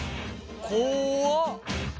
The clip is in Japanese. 怖っ！